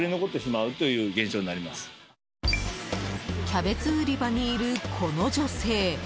キャベツ売り場にいるこの女性。